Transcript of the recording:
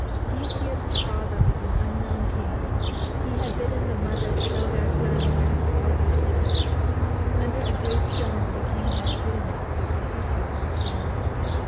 Theseus's father was an unknown king; he had bidden the mother show their son where his sword was hidden. Under a great stone the king had hidden it before Theseus was born.